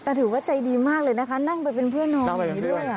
แต่ถือว่าใจดีมากเลยนะคะนั่งไปเป็นเพื่อนน้องอย่างนี้ด้วย